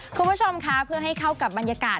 คุณผู้ชมค่ะเพื่อให้เข้ากับบรรยากาศ